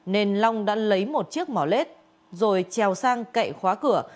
nên long đã lấy một chiếc mỏ lết rồi treo sang cậy khóa cửa